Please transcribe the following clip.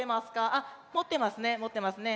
あっもってますねもってますね。